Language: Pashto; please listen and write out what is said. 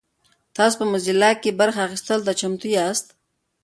تاسو په موزیلا کې برخه اخیستلو ته چمتو یاست؟